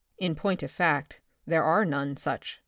In pointof fact, there are none such.